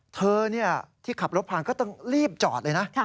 เธอที่ขับรถผ่านก็ต้องรีบจอดเลยนะ